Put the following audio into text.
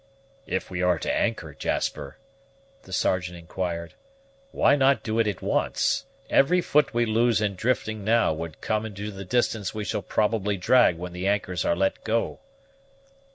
"If we are to anchor, Jasper," the Sergeant inquired, "why not do it at once? Every foot we lose in drifting now would come into the distance we shall probably drag when the anchors are let go."